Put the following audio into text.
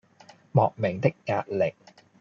莫名的壓力